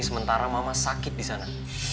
sementara mama sakit disana